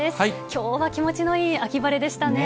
きょうは気持ちのいい秋晴れでしたね。